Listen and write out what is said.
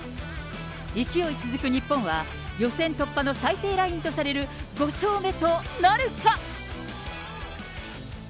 勢い続く日本は、予選突破の最低ラインとされる５勝目となるか。